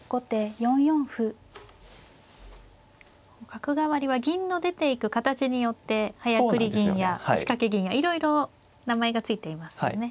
角換わりは銀の出ていく形によって早繰り銀や腰掛け銀やいろいろ名前が付いていますよね。